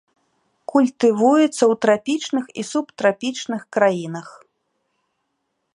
Культывуецца ў трапічных і субтрапічных краінах.